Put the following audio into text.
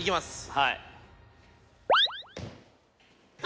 はい。